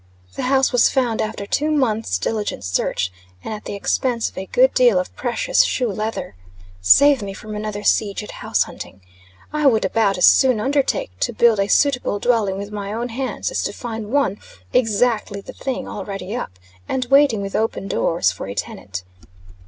The house was found after two months' diligent search, and at the expense of a good deal of precious shoe leather. Save me from another siege at house hunting! I would about as soon undertake to build a suitable dwelling with my own hands, as to find one "exactly the thing" already up, and waiting with open doors for a tenant.